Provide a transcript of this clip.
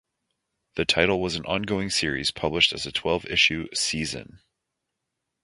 The title was an ongoing series published as a twelve-issue "season".